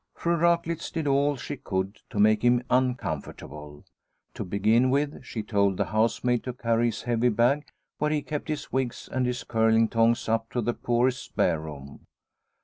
Fru Raklitz did all she could to make him uncomfortable. To begin with, she told the housemaid to carry his heavy bag where he kept his wigs and his curling tongs up to the poorest spare room.